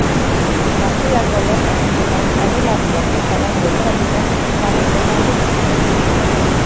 Partidako lehen jaurtiketan, aurrelari gasteiztarrak denboraldiko zazpigarren gola lortu.